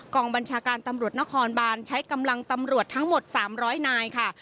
กองบัญชาการตำรวจนครบานใช้กำลังตำรวจทั้งหมด๓๐๐นายค่ะ